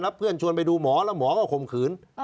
เพื่อนชวนไปดูหมอแล้วหมอก็ข่มขืน